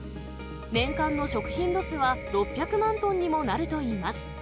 年間の食品ロスは６００万トンにもなるといいます。